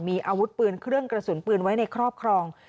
มีอาวุธปืนเครื่องกระสุนปืนไว้ในครอบครอง